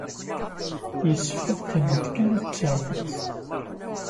Yessefk ad qqiment kan ad ttarment.